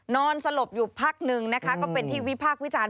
นอนสลบอยู่พักนึงนะคะก็เป็นที่วิพากษ์วิจารณ์